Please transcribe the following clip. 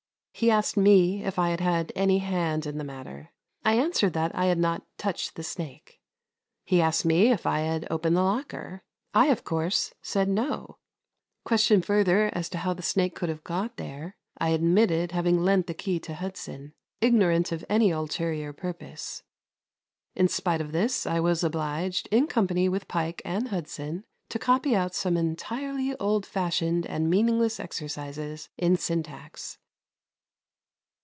He asked me if I had had any hand in the matter. I answered that I had not touched the snake. He asked me if I had opened the locker; I, of course, said "No." Questioned further as to how the snake could have got there, I admitted having lent the key to Hudson, ignorant of any ulterior purpose. In spite of this I was obliged, in company with Pike and Hudson, to copy out some entirely old fashioned and meaningless exercises in syntax.